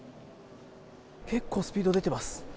結構スピード出てます。